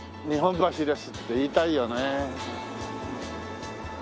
「日本橋です」って言いたいよね。